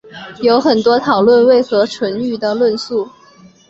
有很多讨论何为纯育的论述。